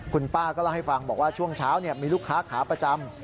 คุณป้าก็เล่าให้ฟังบอกว่าช่วงเช้ามีลูกค้าขาประจำ